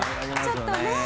ちょっとね。